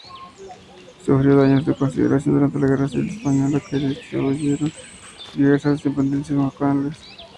Sufrió daños de consideración durante la Guerra Civil Española que destruyeron diversas dependencias monacales.